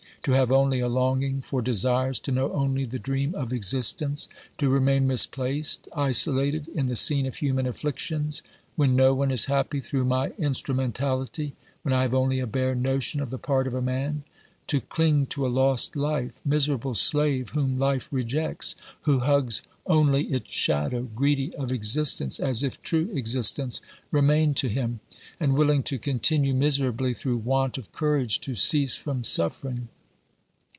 To have only a longing for desires, to know only the dream of existence ? To remain misplaced, isolated in the scene of human afflictions, when no one is happy through my instrumen tality, when I have only a bare notion of the part of a man ? To cling to a lost life, miserable slave whom life rejects, who hugs only its shadow, greedy of existence, as if true existence remained to him, and willing to continue miserably through want of courage to cease from suffering